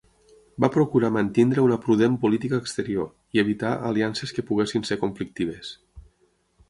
Va procurar mantenir una prudent política exterior i evitar aliances que poguessin ser conflictives.